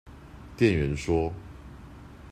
店員說